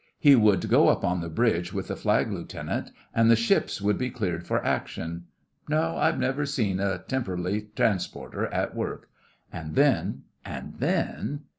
He would go up on the bridge with the Flag Lieutenant, and the ships would be cleared for action. ('No, I've never seen a Temperley transporter at work.') And then—and then